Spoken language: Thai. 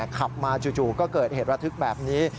ขับมาจู่ก็เกิดเหตุระทึกแบบนี้